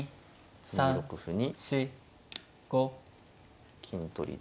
２六歩に金取りで。